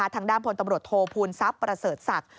ทางด้านพลตำรวจโทษภูมิทรัพย์ประเสริฐศักดิ์